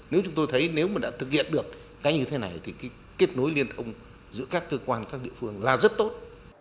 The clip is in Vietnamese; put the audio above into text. nếu chúng tôi thấy nếu mà đã thực hiện được cái như thế này thì cái kết nối liên thông giữa các cơ quan các địa phương là rất tốt